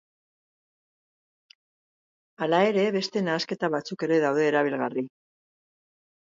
Hala ere, beste nahasketa batzuk ere daude erabilgarri.